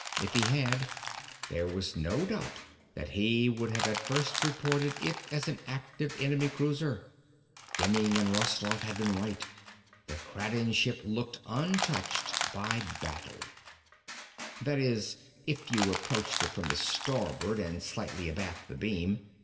If he had, there was no doubt that he would have at first reported it as an active enemy cruiser. Demming and Rostoff had been right. The Kraden ship looked untouched by battle. That is, if you approached it from the starboard and slightly abaft the beam.